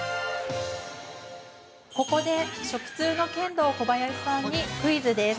◆ここで食通のケンドーコバヤシさんにクイズです。